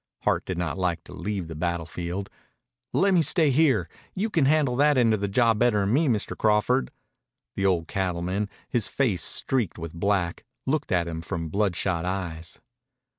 Hart did not like to leave the battle field. "Lemme stay here. You can handle that end of the job better'n me, Mr. Crawford." The old cattleman, his face streaked with black, looked at him from bloodshot eyes.